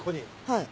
はい。